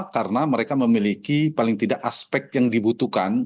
karena mereka memiliki paling tidak aspek yang dibutuhkan